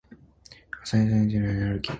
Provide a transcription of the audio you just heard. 朝イチリセ台カニ歩き